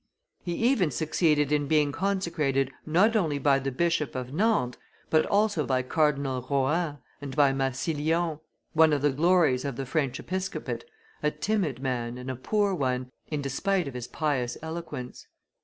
He even succeeded in being consecrated, not only by the Bishop of Nantes, but also by Cardinal Rohan and by Massillon, one of the glories of the French episcopate, a timid man and a poor one, in despite of his pious eloquence.